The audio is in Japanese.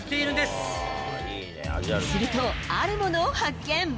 すると、あるものを発見。